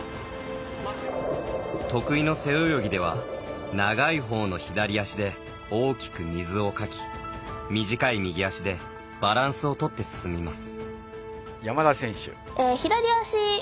得意の背泳ぎでは長いほうの左足で大きく水をかき短い右足でバランスをとって進みます。